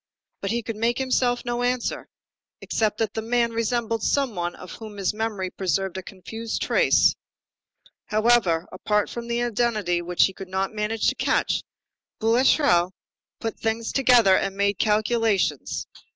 But he could make himself no answer, except that the man resembled some one of whom his memory preserved a confused trace. However, apart from the identity which he could not manage to catch, Boulatruelle put things together and made calculations.